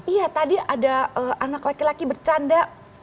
iya tadi ada anak laki laki bercanda